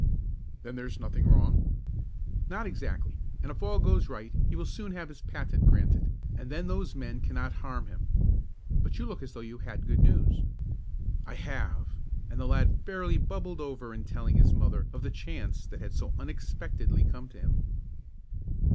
"Then there's nothing wrong?" "Not exactly, and if all goes right he will soon have his patent granted, and then those men can not harm him. But you look as though you had good news." "I have," and the lad fairly bubbled over in telling his mother of the chance that had so unexpectedly come to him.